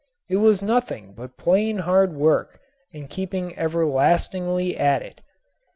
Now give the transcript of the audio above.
It was nothing but plain hard work and keeping everlastingly at it.